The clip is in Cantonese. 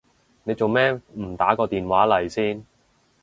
你做咩唔打個電話嚟先？